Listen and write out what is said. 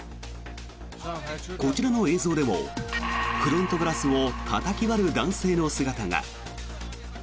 こちらの映像でもフロントガラスをたたき割る男性の姿が。